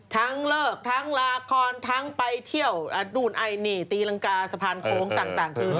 ทั้งเลิกทั้งละครทั้งไปเที่ยวนู่นไอ้นี่ตีรังกาสะพานโค้งต่างคือ